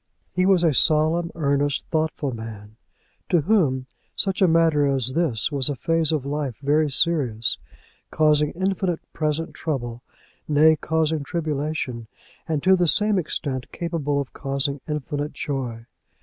He was a solemn, earnest, thoughtful man; to whom such a matter as this was a phase of life very serious, causing infinite present trouble, nay, causing tribulation, and, to the same extent, capable of causing infinite joy.